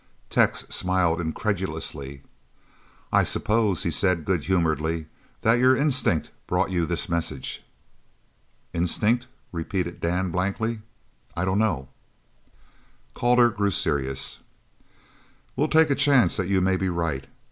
Tex smiled incredulously. "I suppose," he said good humouredly, "that your instinct brought you this message?" "Instinct?" repeated Dan blankly, "I dunno." Calder grew serious. "We'll take a chance that you may be right.